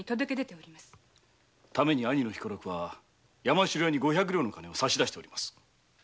ために兄の彦六は山城屋に五百両の金を差し出しております。